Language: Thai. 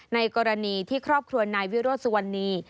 ในกรณีที่ครอบครัวนายวิโรธสุวรรณี